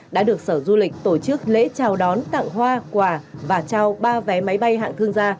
đã được sở du lịch tổ chức lễ chào đón tặng hoa quà và trao ba vé máy bay hạng thương gia